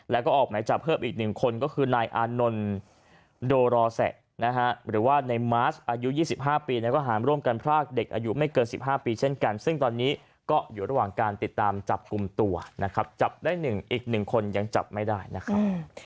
แล้วก็ออกหมายจับเพิ่มอีก๑คนก็คือนายอานนท์โดรอแสะนะฮะหรือว่าในมาร์ชอายุ๒๕ปีแล้วก็หารร่วมกันพรากเด็กอายุไม่เกิน๑๕ปีเช่นกันซึ่งตอนนี้ก็อยู่ระหว่างการติดตามจับกลุ่มตัวนะครับจับได้๑อีก๑คนยังจับไม่ได้นะครับ